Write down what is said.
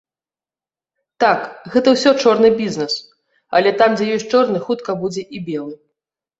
Так, гэта ўсё чорны бізнес, але там дзе ёсць чорны, хутка будзе і белы.